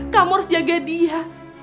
kamu harus jaga dia